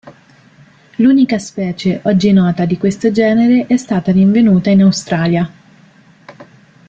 L'unica specie oggi nota di questo genere è stata rinvenuta in Australia.